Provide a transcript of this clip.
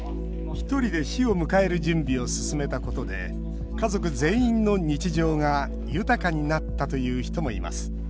ひとりで死を迎える準備を進めたことで家族全員の日常が豊かになったという人もいます。